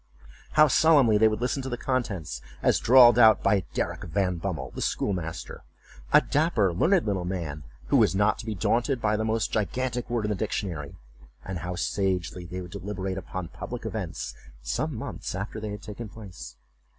How solemnly they would listen to the contents, as drawled out by Derrick Van Bummel, the schoolmaster, a dapper learned little man, who was not to be daunted by the most gigantic word in the dictionary; and how sagely they would deliberate upon public events some months after they had taken place.